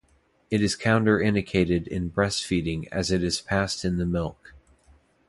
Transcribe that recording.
It is counter-indicated in breast feeding as it is passed in the milk.